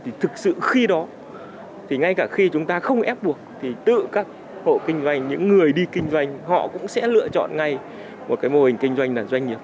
thì thực sự khi đó thì ngay cả khi chúng ta không ép buộc thì tự các hộ kinh doanh những người đi kinh doanh họ cũng sẽ lựa chọn ngay một cái mô hình kinh doanh là doanh nghiệp